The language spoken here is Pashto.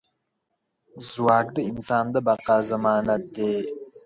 ځواک د انسان د بقا ضمانت دی.